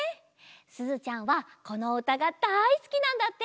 すずちゃんはこのうたがだいすきなんだって。